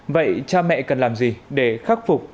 vậy cha mẹ cần làm gì để khắc phục